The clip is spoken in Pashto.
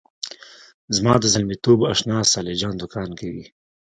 زما د زلمیتوب آشنا صالح جان دوکان کوي.